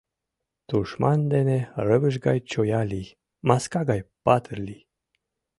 Тушман дене рывыж гай чоя лий, маска гай патыр лий!»